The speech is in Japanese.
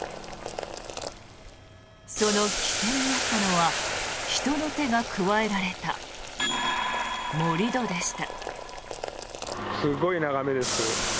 その起点にあったのは人の手が加えられた盛り土でした。